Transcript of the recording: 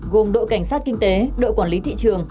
gồm đội cảnh sát kinh tế đội quản lý thị trường